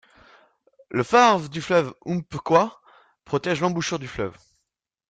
Le phare du fleuve Umpqua protège l'embouchure du fleuve.